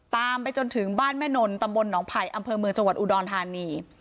ไปจนถึงบ้านแม่นนตำบลหนองไผ่อำเภอเมืองจังหวัดอุดรธานี